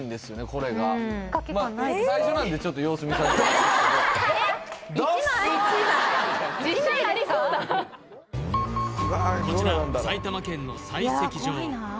こちら埼玉県の採石場